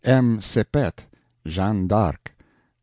M. SEPET, Jeanne d'Arc.